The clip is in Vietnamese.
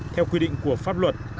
theo quy định của pháp luật